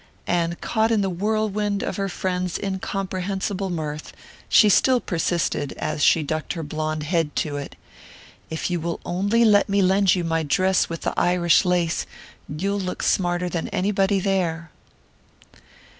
And caught in the whirlwind of her friend's incomprehensible mirth, she still persisted, as she ducked her blonde head to it: "If you'll only let me lend you my dress with the Irish lace, you'll look smarter than anybody there...."